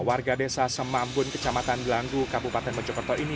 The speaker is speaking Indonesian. warga desa semambun kecamatan gelanggu kabupaten mojokerto ini